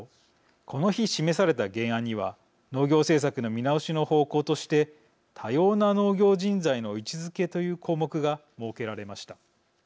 この日示された原案には農業政策の見直しの方向として多様な農業人材の位置づけという項目が設けられました。